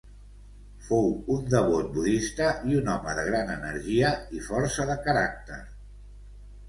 Fou un devot budista i un home de gran energia i força de caràcter.